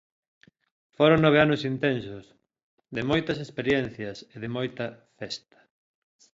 Foron nove anos intensos, de moitas experiencias e de moita festa.